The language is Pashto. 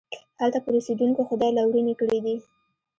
هلته پر اوسېدونکو خدای لورينې کړي دي.